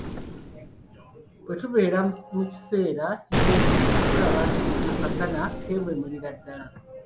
Bwe tubeera mu kiseera eky'ekyeya tulaba nti akasana keememulira ddala.